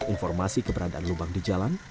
informasi keberadaan lubang di jalan